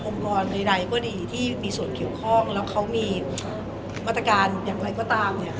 ใดก็ดีที่มีส่วนเกี่ยวข้องแล้วเขามีมาตรการอย่างไรก็ตาม